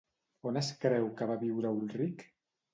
On es creu que va viure Ulrich?